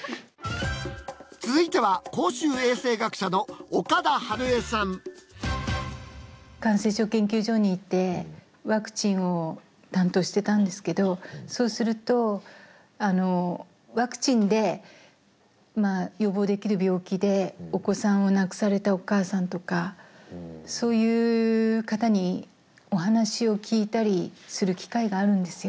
続いては公衆衛生学者の岡田晴恵さん。感染症研究所にいてワクチンを担当してたんですけどそうするとワクチンで予防できる病気でお子さんを亡くされたお母さんとかそういう方にお話を聞いたりする機会があるんですよ。